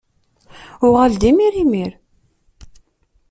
Uɣal-d imir imir!